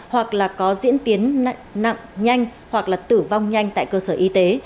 hoặc là có diễn tiến nặng nhanh hoặc là tử vong nhanh tại cơ sở y tế